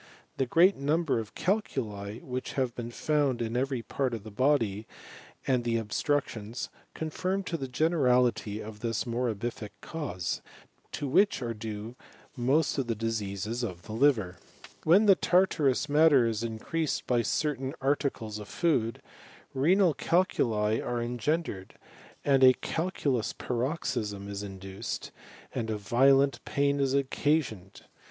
The great number of calculi which hai been found in every part of the body, and the obstruq tions, confirm the generality of this morbific cans to which are due most of the diseases of the livf CHEMISTRY OP PARACELSUS. 163 When the tartarous matter is increased by certain arti cles of food, renal calculi are engendered, a calculous paroxysm is induced, and violent pain is occasioned.